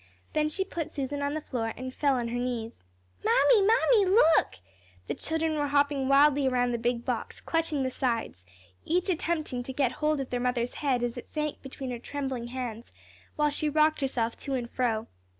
Then she put Susan on the floor, and fell on her knees. "Mammy, Mammy, look!" the children were hopping wildly around the big box, clutching the sides, each attempting to get hold of their mother's head as it sank between her trembling hands, while she rocked herself to and fro.